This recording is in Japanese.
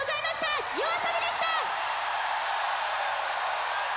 ＹＯＡＳＯＢＩでした。